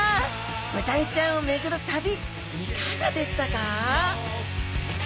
ブダイちゃんを巡る旅いかがでしたか？